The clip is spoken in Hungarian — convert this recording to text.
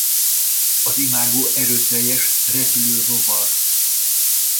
Az imágó erőteljes repülő rovar.